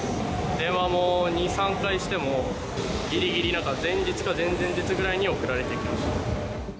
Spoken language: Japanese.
電話も、２、３回しても、ぎりぎり、なんか前日か前々日ぐらいに送られてきました。